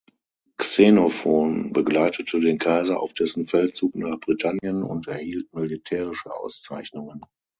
Xenophon begleitete den Kaiser auf dessen Feldzug nach Britannien und erhielt militärische Auszeichnungen.